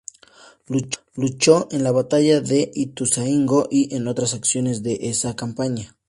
Luchó en la batalla de Ituzaingó y en otras acciones de esa campaña.